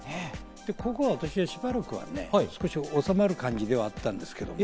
ここしばらくは私、収まる感じではあったんですけどね。